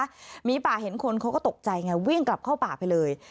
หมีป่าเห็นคนเขาก็ตกใจไงวิ่งกลับเข้าป่าไปเลย